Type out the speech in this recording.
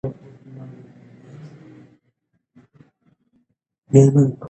سلام هیله لرم چی ښه به یاست